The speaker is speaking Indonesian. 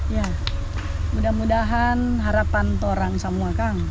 ya mudah mudahan harapan orang semua kang